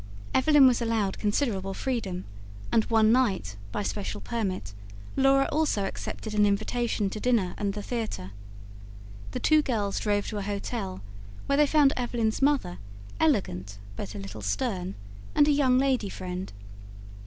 Evelyn was allowed considerable freedom, and one night, by special permit, Laura also accepted an invitation to dinner and the theatre. The two girls drove to a hotel, where they found Evelyn's mother, elegant but a little stern, and a young lady friend.